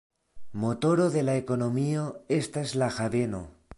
Motoro de la ekonomio estas la haveno.